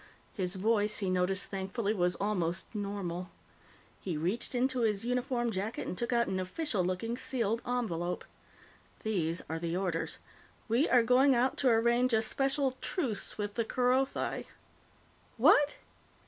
His voice, he noticed thankfully, was almost normal. He reached into his uniform jacket and took out an official looking sealed envelope. "These are the orders. We are going out to arrange a special truce with the Kerothi." "_What?